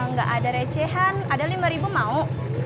nggak ada recehan ada lima ribu mau